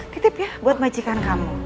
titip ya buat majikan kamu